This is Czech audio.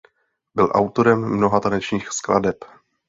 Byl autorem mnoha tanečních skladeb.